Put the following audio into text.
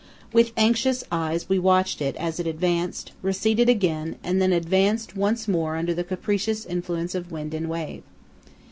With anxious eyes we watched it as it advanced, receded again, and then advanced once more under the capricious influence of wind and wave.